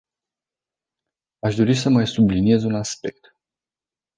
Aș dori să mai subliniez un aspect.